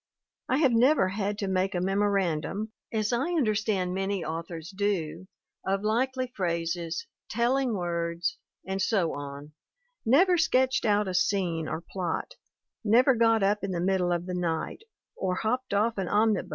I have never had to make a memorandum, as I understand many authors do, of likely phrases, telling words, and so on, never sketched out a scene or plot, never got up in the middle of the night, or hopped off an omnibus MARY S.